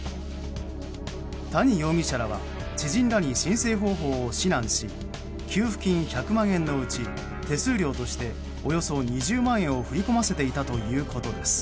谷容疑者らは知人らに申請方法を指南し給付金１００万円のうち手数料としておよそ２０万円を振り込ませていたということです。